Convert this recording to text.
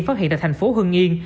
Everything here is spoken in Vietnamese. phát hiện tại thành phố hân yên